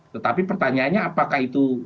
tetapi pertanyaannya apakah itu